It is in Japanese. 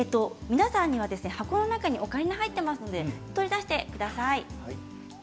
皆さんには箱の中にオカリナが入っていますので取り出してみてください。